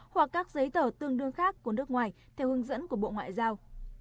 hoặc các giấy tờ tương đương khác của nước ngoài theo hướng dẫn của bộ ngoại giao